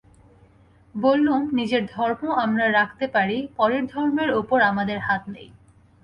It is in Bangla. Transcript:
বললুম, নিজের ধর্ম আমরা রাখতে পারি, পরের ধর্মের উপর আমাদের হাত নেই।